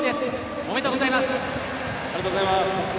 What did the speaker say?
ありがとうございます。